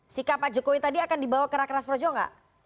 sikap pak jokowi tadi akan dibawa ke rakeras projo nggak